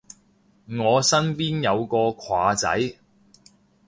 我身邊有個跨仔